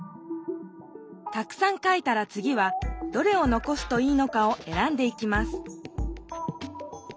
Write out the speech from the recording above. たくさん書いたらつぎはどれをのこすといいのかを選んでいきます